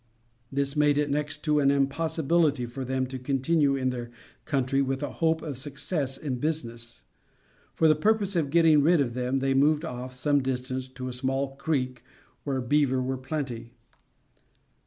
This made it next to an impossibility for them to continue in their country with a hope of success in business. For the purpose of getting rid of them, they moved off, some distance, to a small creek where beaver were plenty.